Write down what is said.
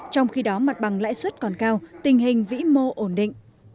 trong khi đó mặt bằng lãi suất còn cao tình hình vĩ mô ổn định